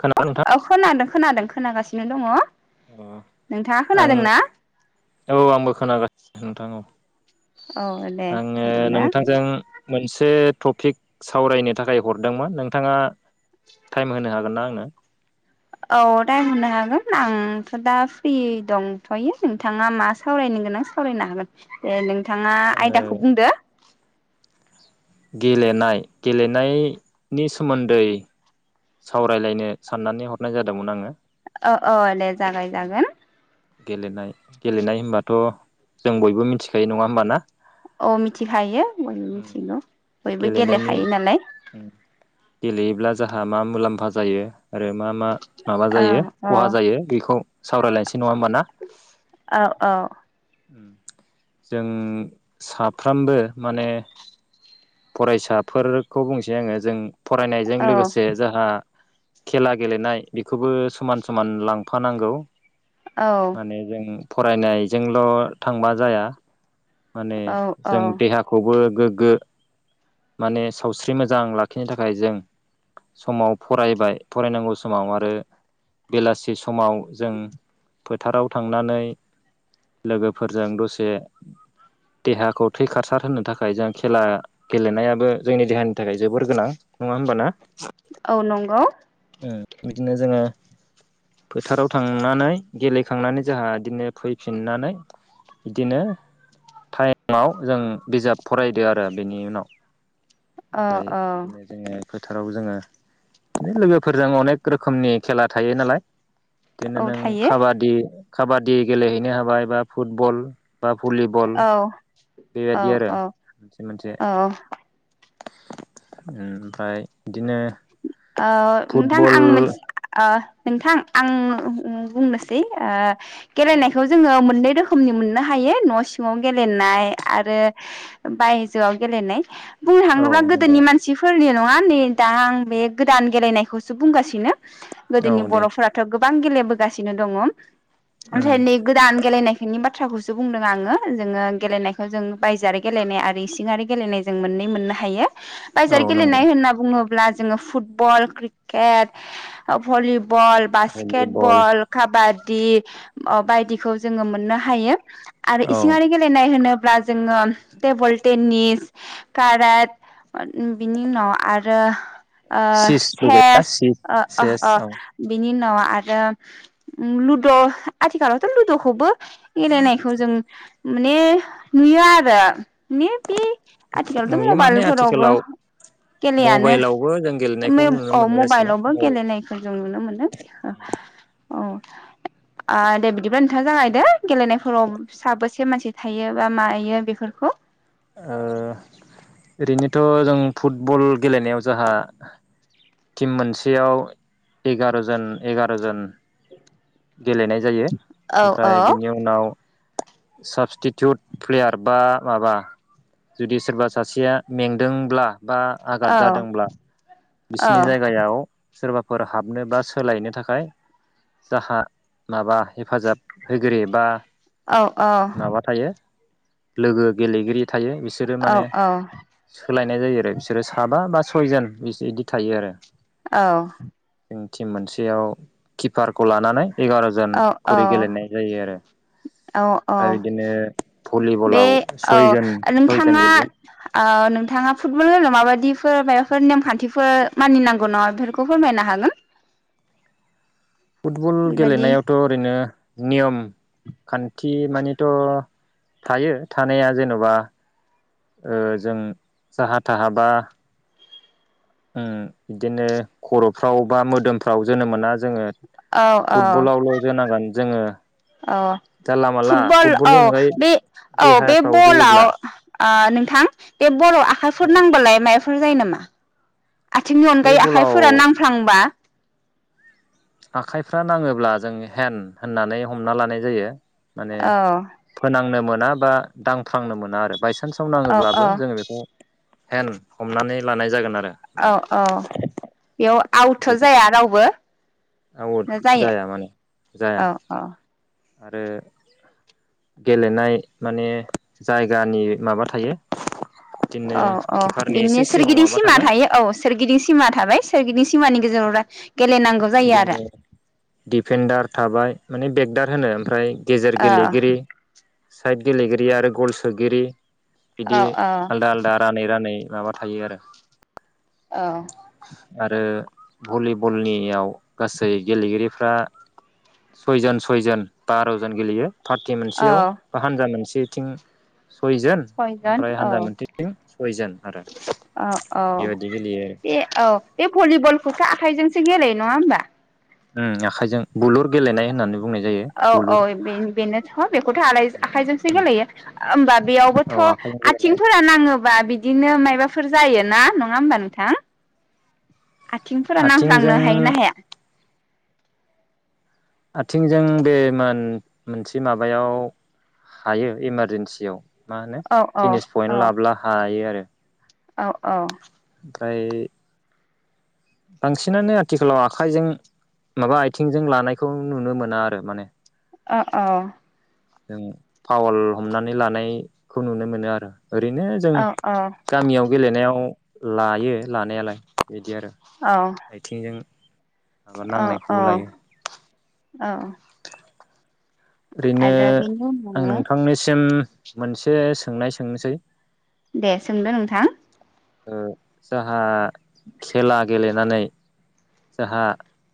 खोनादों नोंथां औ खोनादों। खोनादों खोनागासिनो दङ'। नोंथाङा आं खोनादों ना औ आंबो खोनागासिनो नोंथां औ औ दे आंनिया बिदिब्ला नोंथांजों मोनसे टपिक सावरायनो थाखाय हरदोंमोन। नोंथाङा टाइम होनो हागोन ना आं नो औ टाइम होनो हागोन। आंथ' दा फ्रियै दंथ'यो नोंथाङा मा सावरायनो गोनां सावरायनो हागोन। ए नों थाङा आङो आयदाखौ बुंदो। गेलेनाय, गेलेनायनि सोमोन्दै सावरायलायनो साननानै हरनाय जादोंमोन आङो औ औ दे जागाय जागोन गेलेनाय गेलेनाय होनबाथ' जों बयबो मिथिखायो नङा होमबाना औ मिथिखायो बयबो मिथिगौ बयबो गेलेनायनि गेलेखायो नालाय गेलेयोब्ला जा आहा मा मुलाम्फा जायो आरो मा मा माबा औ जायो औ खहा जायो बेखौ सावरायलायनोसै नङा होमबा ना? औ औ जों साफ्रोमबो माने फरायसाफोरखौ बुंसै आङो जों फरायनायजों औ लोगोसे जोंहा खेला गेलेनाय बेखौबो समान समान लांफानांगौ औ माने जों फरायनायजोंल थांबा जाया माने औ औ जों देहाखौबो गोगो माने सावस्रि मोजां लाखिनो थाखाय जों समाव फरायबाय फरायनांगौ समाव आरो बेलासि सम समाव जों फोथाराव थांनानै लोगोफोरजों दसे देहाखौ थै खसार होनो थाखाय जों खेला गेलेनायाबो जोंनि देहानि थाखाय जोबोर गोनां नङा होमब ना औ नंगौ बिदिनो जोङो फोथाराव थांनानै गेलेखांनानै जोंहा बिदिनो फैफिननानै बिदिनो टाइमाव जों बिजाब फरायदो आरो बेनि उनाव औ ओमफ्राय औ बिदिनो जोङो [unintelligible] फोथाराव जोङो लोगो फोरजों अनेक रोखोमनि खेला थायो नालाय। बिदिनो औ नों थायो काबादि काबादि गेलेहैनो हाबाय बा फुटबल बा भलिबल औ औ बेबायदि आरो औ मोनसे मोनसे औ ओमफ्राय बिदिनो आ नोंथां फुटबल आं मोनसे [unintelligible] नोंथां आं बुंनोसै ओ औ गेलेनायखौ जोङो मोननै रोखोमनि मोननो हायो न सिङाव गेलेनाय आरो बायजोआव गेलेनाय बुंनो औ थाङोब्ला नंगौ गोदोनि मानसिफोरनि नङा नै दा आं [unintelligible] बे गोदान गेलेनायखौसो बुंगासिनो गोदोनि औ दे बरफोराथ गो गोबां गेलेबोगासिनो दङ। उम आफ्रायनि गोदान गेलनाय बेनि बाथ्राखौसो बुंदों आङो जोङो गेलेनायखौ जों बायजोआरि गेलेनाय आरो इसिङारि गेलेनाय जों मोननै मोननो हायो। औ बायसार नंगौ गेलेनाय होनना बुङो ब्ला जोङो फुटबल क्रिकेट भलि बल भलिबल बास्केटबल काबाद दि बायदिखौ जोङो मोननो हायो। आरो औ इसिङारि गेलेनाय होनो ब्ला जोङो टेबोल टेनिस कारात बिनि उनाव आरो ओ सिसबो गैया सेस सिस ओ सेस ओ औ बिनि उनाल आरो लुद' आथिखालावथ' लुद'खौबो गेलेनायखौ जों माने नुयो आरो। ने बे आथिखालथ' नुयो माने मबाइलफोरावबो आथिखालाव गेलेयानो मबाइलावबो जों गेलेनायखौ नुनो ओ मोननाय जासैना मबाइलावबो ओ गेलेनायखौ जों नुनो मोनदों औ दे बिदिब्ला नोंथाङा जागायदे गेलेनायफोराव साबेसे मानसि थायो बा मायो बेफोरखौ ओ ओरैनोथ' जों फुटबल गेलेनायाव जोंहा टिम मोनसेयाव एगार'जन एगार'जन गेलेनाय जायो औ औ ओमफ्राय बिनि उनाव साबस्टिटिउट प्लेयार बा माबा जुदि सोरबा सासेया मेंदोंब्ला बा आघाद औ जादोंब्ला बिसिनि औ जायगायाव सोरबाफोर हाबनो बा सोलायनो थाखाय जाहा माबा हेफाजाब होगिरि बा औ औ माबा थायो लोगो गेलेगिरि थायो बिसोरो औ माने सोलायनाय नाय जायो आरो बिसोरो साबा बा सयजोन बिदि थायो आरो औ टिम मोनसेयाव किपार खौ लानानै एगार जन औ खरै गेलेनाय जायो आरो औ औ ओमफ्राय बिदिनो बे भलिबलाव औ सयजन सयजन नोंथाङा गेलेयो ओ नोंथाङा फुटबल गेलाव माबायदिफोर माबाफोर नेमखान्थिफोर मानिनांगौ नङा बेफोरखौ फोरमायनो हागोन फुटबल बेबायदि गेलेनायावथ' ओरैनो नियम खान्थि मानिथ थायो थानाया जेनबा ओ जों साहा थाहा बा उम बिदिनो खर'फ्राव बा मोदोमफ्राव जोनो मोना जोङो। औ औ फुटबल आवल जोनांगोन जोङो औ जानला मानला फुटबल औ फुटबलनि अनगायै बे औ बे देहाफ्राव बलाव जोयोब्ला ओ नों थां बे बल आखाइफोर औ नांबालाय माइ फोर जायो नामा। आथिंनि बे अनगायै बलाव आखाइफोरा नांफ्लांबा आखाइफ्रा नाङोब्ला जों हेन होननानै हमना लानाय जायो। माने औ फोनांनोमोन मोना बा दांफ्रांनो मोना आरो। बायसान्साव औ औ नाङोब्लाबो जोङो बेखौ हेन हमनानै लानाय जागोन आरो। औ माने औ बेयाव आवथ जाया रावबो आवट जायो जाया माने जाया औ औ आरो गेलेनाय माने जायगानि माबा थायो। बिदिनो औ औ किपारनि बिदिनो एसे सिगाङाव सोरगिदिं माबा सिमा थाबाय थायो औ सोरगिदिं सिमा थाबाय सोरगिदिं सि मानि गेजेराव रा बिदिनो दिफेन्दार थाबाय माने बेेगदार, होनो ओमफ्राय गेजेर औ गेलेगिरि साइद गेलेगिरि आरो गल सोगिरि। बिदि औ औ आलदा आलदा रानै रानै माबा थायो आरो औ। आरो भलिबलनि याव गासै गेलेगिरिफ्रा सयजन सयजन बार'जन गेलेयो । पार्टि औ मोनसेयाव बा हानजा मोनसे [inaudible] सयजोन सयजन ओमफ्राय औ हानजा मोनसेथिं सयजोन। आरो। औ औ बेबायदि गेलेयो आरो ऐ औ बे भलिबलखौथ' आखाइजोंसो गेलेयो नङा होमबा। उम आखाइजों बुलुर गेलेनाय होननानै बुंनाय जायो औ औ बुलुर बे बेनो। बेखौथ' आला आखाइजोंसो गोलैयो होमबा औ बेयावबोथ' आखाइजों गेलेनाय आथिंफोरा नाङोबा बिदि बिदिनो माबाफोर जायोना नङा होमबा नोंथां। आथिंफोरा आथिंजों नांफ्लांनो हायोना हाया। आथिंजों बे मोन मोनसे माबायाव हायो इमारजेन्सियाव। मा होनो औ तिनिस औ पयन्ट लाबोब्ला हायो आरो । [inaudible] औ औ । ओमफ्राय। बांसिनानो आथिखालाव आखाइजों माबा आथिंजों लानायखौ नुनो मोना आरो माने अ अ। जों पावल हमनानै लानायखौ नुनो मोनो आरो। ओरैनो जों औ गामियाव गेलेनायाव लायो लानायालाय बिदि आरो। औ आथिंजों माबा औ नांनायखौबो लायो। औ। ओरैनो आरो बेनि आं उनाव नोंथांनिसिम मोनसे सोंनाय सोंनोसै। दे सोंदो नोंथां साह [unintelligible] खेला गे नै जोंहा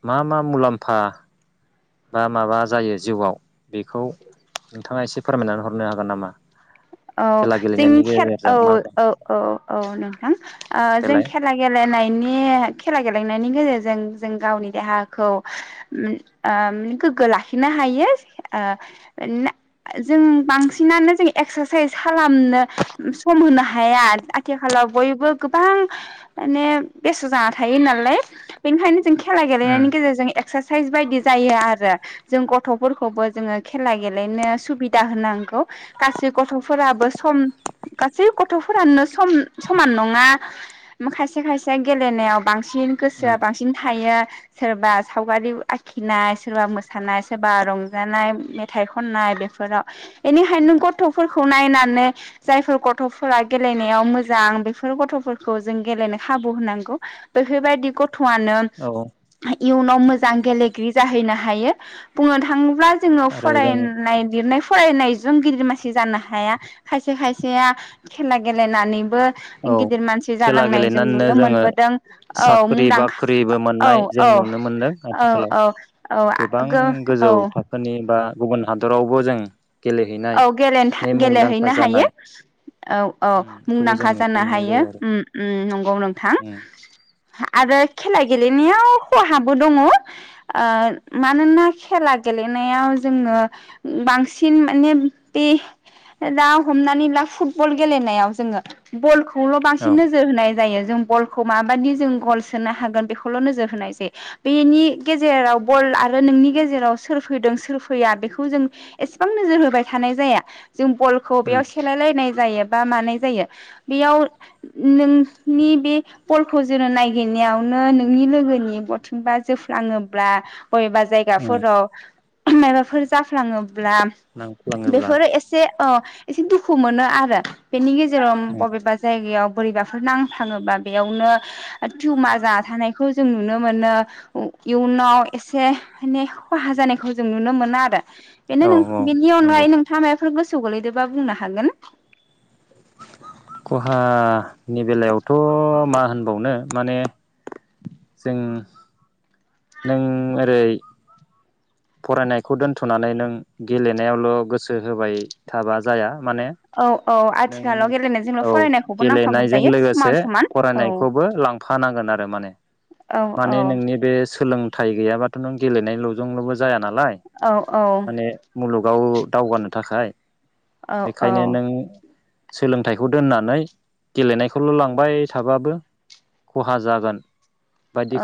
मा मा मुलाम्फा बा माबा जायो जिउआव बेखौ नोंथाङा एसे फोरमायनानै हरनो हागोन नामा। औ खेला जों गेलेनायनि गेजेरजों मा मा औ औ औ औ नोंथां ओ जों देलाय खेला गेलेनाय खेला गेलेनायनि गेजेरजों जों गावनि देहाखौ गोगो लाखिनो हायो जों बांसिनानो एकसा साइस खालामनो सम होनो हाया आथिखालाव बयबो गोबां माने बेसट' जाना थायो नालाय बेनिखायनो। खेला उम गेलेनायनि गेजेरजों एक्सारस बायदि जायो आरो जों गथ'फोरखौबो जोङो खेला गेलेनो सुबिदा होनांगौ गासिबो गथ'फोराबो सम गासै गथ'फोरानो सम समान नङा खायसे खायसे गेलेनायाव बांसिन, बांसिन उम गोसोआ बांसिन थायो। सोरबा सावगारि आखिनाय सोरबा मोसानाय सोरबा रंजानाय मेथाइ खननाय बेफोराव एनि हाय गर [unintelligible] फोरखौ नायनानै जायफोर गथ'फोरा गेलेनायाव मोजां बेफोर गथ'फोरखौ जों गेलेनो खाबु होनांगौ बेफोरबायदि गथ' गथ [unintelligible] आनो औ इयुनाव मोजां गेलेगिरि जाहैनो हायो बुंनो थाङोब्ला जोङो आरो जों फरायनाय लिरनाय फरायनायजों गिदिर मानसि जानो हाया खायसे खायसेया खेला गेलेनानैबो औ गिदिर मानसि खेला जालांनाय जों गेलेनानैनो नुनो जोङो मोनबोदों औ साख्रि मुंदांखा बाख्रिबो औ मोननाय जों औ नुनो मोनदों औ आथिखालाव औ गोबां औ गोजौ औ। थाखोनि बा गुबुन हादरावबो जों गेलेहैनाय औ नै मुंदांखा गेलेहैनो हायो जानाय औ औ उम खौबो जों मुंदांखा नुनो जानो मोननाय हायो जायो आरो उम उम नं औ नोंथां उम आरो खेला गेलेनायाव खहाबो दङ ओ मानोना खेला गेलेनायाव जोङो बांसिन बे दा हमनानै ला फुटबल गेलेनायाव जोङो बल खौल' औ बांसिन नोजोर होनाय जायो जों बलखौ माबायदि जों गल सोनो हागोन बेखौल' नोजोर होनाय जायो बेनि गेजेराव बल आरो नोंनि गेजेराव सोर फैदों सोर फैया बेखौ जों एसेबां नोजोर हो बाय थानाय जाया जों बलखौ बेयाव उम सेलाय लायनाय जायो बा मानाय जायो बेयाव नोंनि बे बलखौ जेनो नगिरनायावनो नोंनि लोगोनि बथिंबा जोफ्लाङोब्ला बबेबा उम जायगाफोराव माबाफोर जाफ्लाङोब्ला नांफ्लांङोब्ला अ एसे दुखु मोनो आरो बेनि गेजेराव ओम उम बबेबा जायगायाव बोरैबाफोर नांफ्लाङोबा बेयावनो टिउमार जाना थानायखौ जों नुनो मोनो इयुनाव एसे माने खहा जानायखौ जों नुनो मोनो आरो औ बेनो औ बिनि नंगौ अनगायै नोंथां मा फोर गोसोआव गोलैदोंबा बुंनो हागोन। नि बेलायावथ' मा होनबावनो माने जों नों ओरै फरायनायखौ दोनथ'नानै नों गेलेनायावल' गोसो होबाय थाबा जाया माने औ औ नों आथिखालाव गेलेनायजोंल' औ फरायनायखौबो नांफागौ गेलेनायजों जायो समान लोगोसे समान औ फरायनायखौबो लांफानांगोन आरो माने औ औ माने नोंनि बे सोलों थाइ गैयाबाथ' नों गेलेनायल'जोंल' जाया ना लाय औ औ माने मुलुग गाव दावगानो थाखाय बेखायनो नों सोलोंथाइखौ दोननानै गेलेनायखौल लांबाय थाबाबो खहा जागोन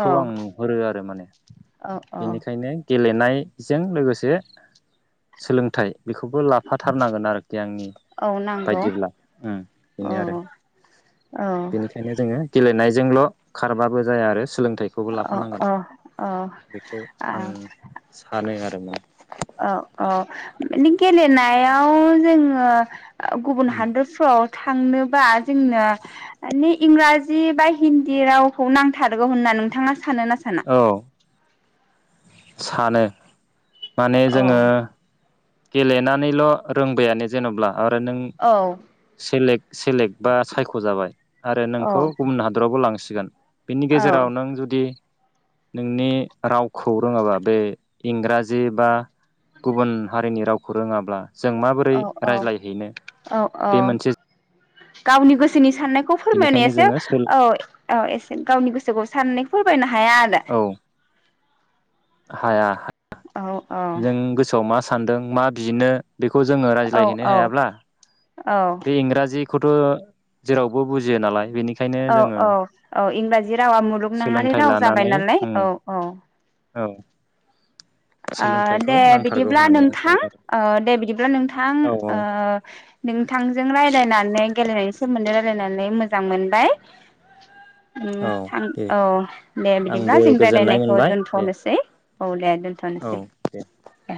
औ आं नुहुरो आरो माने औ औ बेनिखायनो गेलेनायजों लोगोसे सोलोंथाइ बेखौबो लाफाथारनांगोन आरोखि आंनि औ नांगौ बायदिब्ला उम औ बेनो आरो। औ बेनिखायनो जोङो गेलेनाय जोंल' खारबाबो जाया आरो सोलों थाइखौबो लाफानांगोन औ बेखौ आं सानो आरो‌। [inaudible] औ औ माने गेलेनायाव जोङो गुबुन हादोरफ्राव थांनोबा जोंनो माने इंराजि बा हिन्दी रावखौ नांथारगौ होनना नोंथाङा सानो ना साना? औ सानो। माने औ जोङो गेलेनानैल' रोंबायानो जेन'ब्ला आरो नों औ सेलेक्ट सेलेक्ट बा सायख' जाबाय आरो औ नोंखौ गुबुन हादरावबो लांसि गोन बिनि औ गेजेराव नों जुदि नोंनि राव खौ रोङाबा बे इंराजि बा गुबुन हारिनि रावखौ रोङाब्ला। जों माबोरै औ रायज्लायहैनो औ औ बे मोनसे गावनि गोसोनि साननायखौ बेनिखायनो फोरमायनायासो जोङो सोल औ औ एसे गावनि गो [unintelligible] साननै फोरबायना हाया आरो। औ हाया। आरो औ जों गोसोआव मा सान्दों मा बिनो बेखौ जोङो औ रायज्लायहैनो औ हायाब्ला औ बे इंराजि खौथ' जेरावबो बुजियो नालाय बेनि औ औ औ इंराजि रावा मुलुगनाङारि सोलोंथाइ राव जाबाय लानानै नालाय उम औ औ। औ। ओ सोलोंथाइखौ दे नांथारगौ बिदिब्ला होननानै आं नोंथां सानो ओ दे बिदिब्ला नोंथां आरो औ ओ नोंथांजों रायलायनानै गेलेनायनि सोमोन्दो रायलायनानै मोजां मोनबाय। उम औ थां दे औ दे बिदिब्ला आंबो जों गोजोननाय रायलायनायखौ मोनबाय दे दोनथ'नोसै। औ दे दोन औ थ'नोसै दे दे।